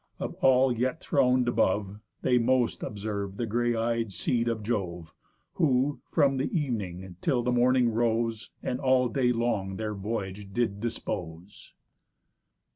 Of all yet thron'd above, They most observ'd the grey eyed seed of Jove; Who, from the evening till the morning rose, And all day long their voyage did dispose.